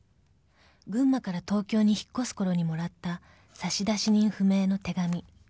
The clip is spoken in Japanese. ［群馬から東京に引っ越すころにもらった差出人不明の手紙］